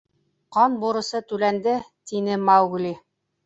Ҡан бурысы түләнде, — тине Маугли.